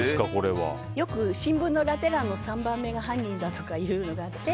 よく新聞のラテ欄の３行目が犯人だとかいうようになって。